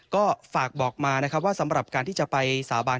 ก็ฝากบอกมานะครับว่าสำหรับการที่จะไปสาบาน